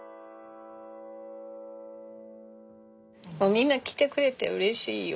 みんな来てくれてうれしいよ。